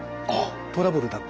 トラブルだったり。